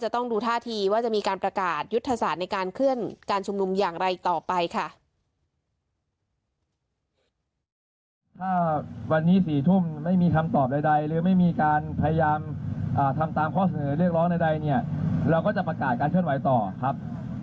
ทำตามข้อเสนอเรียกร้องในใดเราก็จะประกาศการเคลื่อนไหวต่อครับ